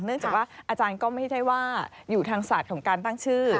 จากว่าอาจารย์ก็ไม่ใช่ว่าอยู่ทางศาสตร์ของการตั้งชื่อ